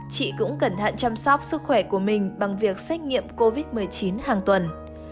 chị cũng cẩn thận chăm sóc sức khỏe của mình bằng việc xét nghiệm covid một mươi chín hàng tuần